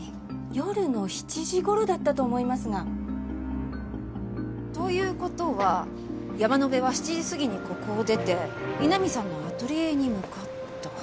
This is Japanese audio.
夜の７時頃だったと思いますが。という事は山野辺は７時過ぎにここを出て井波さんのアトリエに向かった。